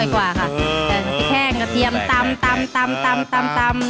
ต่างกะเทียมั่ด